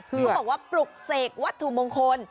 เขาบอกว่าปลุกเสกวัตถุมงคล